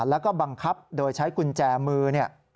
แล้วก็บังคับโดยใช้กุญแจมือเนี่ย